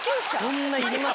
こんないります？